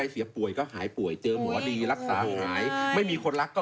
บ๊วยบ๊วยบ๊วยบ๊วยบ๊วยบ๊วยอเจมส์เขาพูดถึงรายการฟันทงเลยเหรอ